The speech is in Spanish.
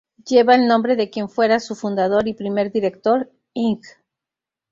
Lleva el nombre de quien fuera su fundador y primer director, Ing.